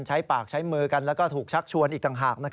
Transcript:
ใช้ปากใช้มือกันแล้วก็ถูกชักชวนอีกต่างหาก